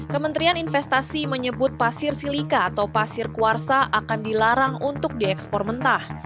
kementerian investasi menyebut pasir silika atau pasir kuarsa akan dilarang untuk diekspor mentah